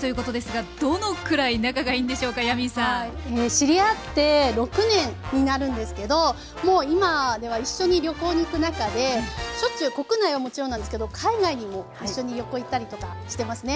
知り合って６年になるんですけどもう今では一緒に旅行に行く仲でしょっちゅう国内はもちろんなんですけど海外にも一緒に旅行行ったりとかしてますね。